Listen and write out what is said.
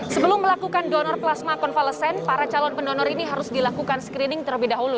sebelum melakukan donor plasma konvalesen para calon pendonor ini harus dilakukan screening terlebih dahulu